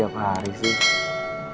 kayanya apa opa devin ngerti